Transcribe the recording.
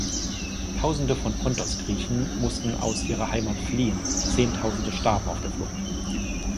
Tausende von Pontos-Griechen mussten aus ihrer Heimat fliehen, zehntausende starben auf der Flucht.